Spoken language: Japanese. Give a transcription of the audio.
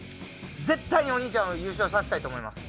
絶対にお兄ちゃんを優勝させたいと思います。